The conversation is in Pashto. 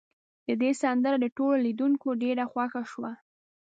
د ده سندره د ټولو لیدونکو ډیره خوښه شوه.